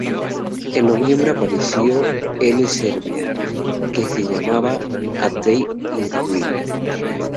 En noviembre apareció en Elle Serbia que se llamaba "A Day In The Garden.